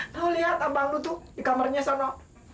lo lihat abang lu tuh di kamarnya sana